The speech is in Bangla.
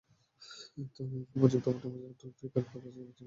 এতে ইংক প্রযুক্তি, অপটিমাইজ টুল পিকার, কাগজ নির্বাচনের মতো নানা ফিচার আছে।